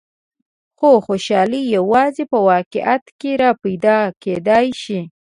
خو خوشحالي یوازې په واقعیت کې را پیدا کېدای شي.